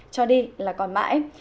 cho đi là còn mãi